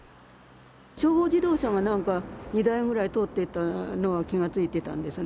消防自動車がなんか２台ぐらい通っていったのは気が付いてたんですね。